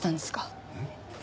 えっ？